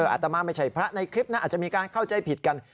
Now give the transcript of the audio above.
อาตมาไม่ใช่พระในคลิปนะอาจจะมีการเข้าใจผิดกัน